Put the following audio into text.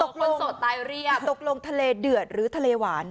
คนโสดตายเรียบตกลงทะเลเดือดหรือทะเลหวาน